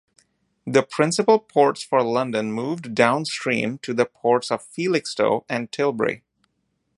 The principal ports for London moved downstream to the ports of Felixstowe and Tilbury.